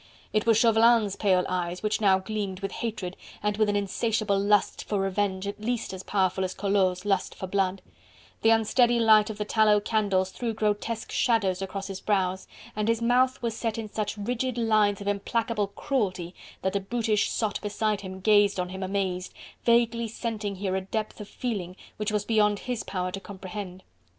It was Chauvelin's pale eyes which now gleamed with hatred and with an insatiable lust for revenge at least as powerful as Collot's lust for blood; the unsteady light of the tallow candles threw grotesque shadows across his brows, and his mouth was set in such rigid lines of implacable cruelty that the brutish sot beside him gazed on him amazed, vaguely scenting here a depth of feeling which was beyond his power to comprehend.